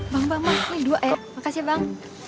bang bang bang ini dua ya makasih bang